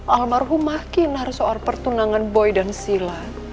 almarhumah kinar soal pertunangan boy dan sila